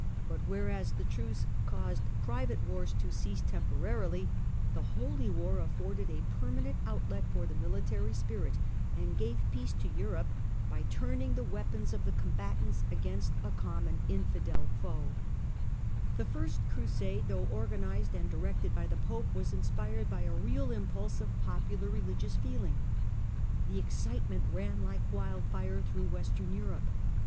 But whereas the Truce caused private wars to cease temporarily, the Holy War afforded a permanent outlet for the military spirit, and gave peace to Europe by turning the weapons of the combatants against a common infidel foe. THE COMNENI AND THE TWO FIRST CRUSADES 139 The First Crusade, though organized and directed by the Pope, was inspired by a real impulse of popular religious feeling. The excitement ran like wildfire through Western Europe.